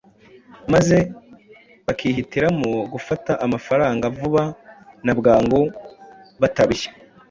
maze bakihitiramo gufata amafaranga vuba na bwangu batarushye.